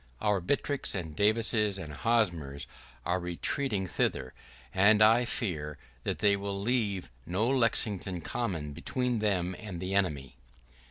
Our Buttricks and Davises and Hosmers are retreating thither, and I fear that they will leave no Lexington Common between them and the enemy.